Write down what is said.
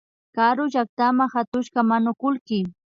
Karu llaktama katushka manukullki